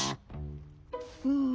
うん。